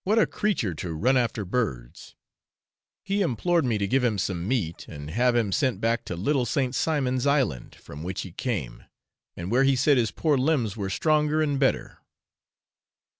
What a creature to ran after birds! He implored me to give him some meat, and have him sent back to Little St. Simon's Island, from which he came, and where he said his poor limbs were stronger and better.